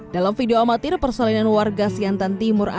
dalam video amatir persalinan warga siantan timur